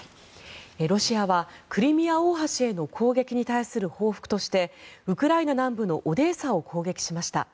ロシアはクリミア大橋への攻撃に対する報復としてウクライナ南部のオデーサを攻撃しました。